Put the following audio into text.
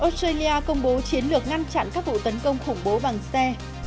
australia công bố chiến lược ngăn chặn các vụ tấn công khủng bố bằng xe